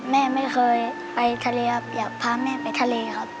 แม่ไม่เคยไปทะเลครับอยากพาแม่ไปทะเลครับ